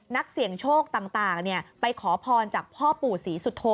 นักเสี่ยงโชคต่างไปขอพรจากพ่อปู่ศรีสุโธ